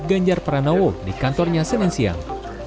ganjar pranowo di kantornya senin siang